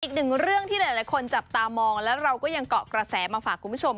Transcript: อีกหนึ่งเรื่องที่หลายคนจับตามองแล้วเราก็ยังเกาะกระแสมาฝากคุณผู้ชม